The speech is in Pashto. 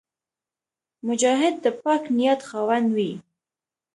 مجاهد د پاک نیت خاوند وي.